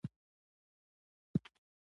اوس ولې خوشاله شوې.